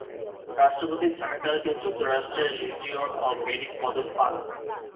রাষ্ট্রপতি থাকাকালে তিনি যুক্তরাষ্ট্রের লিজিওন অব মেরিট পদক পান।